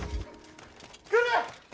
来る！